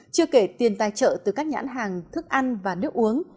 chưa kể tiền tài trợ từ các nhãn hàng thức ăn và nước uống